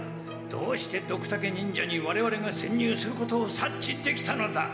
どうしてドクタケ忍者にわれわれがせんにゅうすることを察知できたのだ？